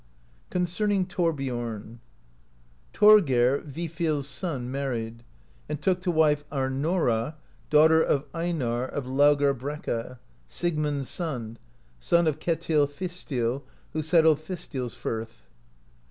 CONCERNING THORBIORN. Thorgeir, Vifil's son, married, and took to wife Ar nora, daughter of Einar of Laugarbrekka, Sigmund's son, son of Ketil Thistil, who settled Thistilsfirth.